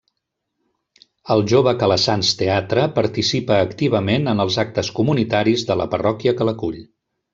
El Jove Calassanç Teatre participa activament en els actes comunitaris de la parròquia que l'acull.